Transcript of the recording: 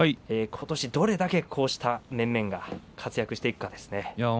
ことしどれだけこうした力士が活躍していくかですね。